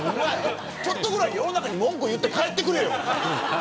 ちょっとぐらい世の中に文句言って帰ってくれよ。